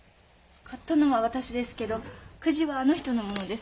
買ったのは私ですけどくじはあの人のものです。